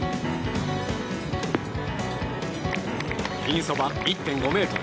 ピンそば１．５ｍ。